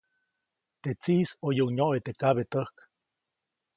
Teʼ tsiʼis ʼoyuʼuŋ nyoʼe teʼ kabetäjk.